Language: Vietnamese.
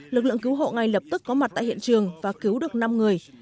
lực lượng cứu hộ ngay lập tức có mặt tại hiện trường và cứu được năm người